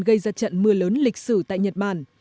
gây ra trận mưa lớn lịch sử tại nhật bản